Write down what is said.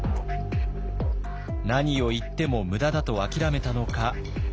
何を言っても無駄だと諦めたのか。